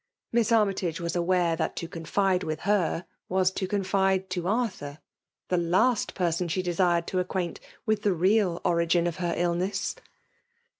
Miss Armytage was awa^re. tiiat to confide to her was to confide to Arthur, — the last person she desired to acquaint with the real origin of her illness.